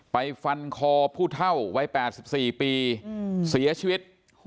ฟันคอผู้เท่าวัย๘๔ปีเสียชีวิต